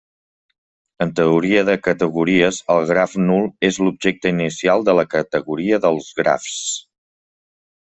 En teoria de categories el graf nul és l'objecte inicial de la categoria dels grafs.